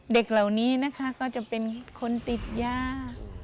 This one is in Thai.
เด็กเหล่านี้นะคะก็จะเป็นคนติดยา